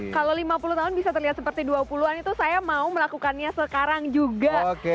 kalau lima puluh tahun bisa terlihat seperti dua puluh an itu saya mau melakukannya sekarang juga